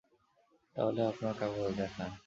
তাহলে আপনার কাগজ দেখান।